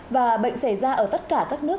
và bệnh xảy ra ở tất cả các nước